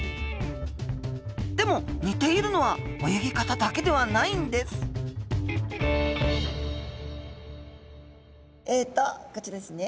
でも似ているのは泳ぎ方だけではないんですえとこちらですね。